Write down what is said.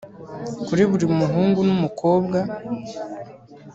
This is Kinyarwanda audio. kuri buri muhungu n'umukobwa.